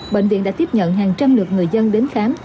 bệnh viện đã tiếp nhận hàng trăm lượt người dân đến khám